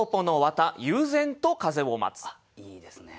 あっいいですね。